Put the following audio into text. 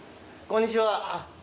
こんにちは。